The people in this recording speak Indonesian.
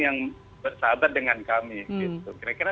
yang bersahabat dengan kami gitu kira kira